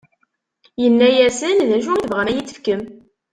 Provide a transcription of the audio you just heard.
Inna-asen: D acu i tebɣam ad yi-t-tefkem?